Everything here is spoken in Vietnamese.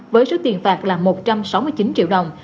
với số tiền phạt là một trăm sáu mươi chín triệu đồng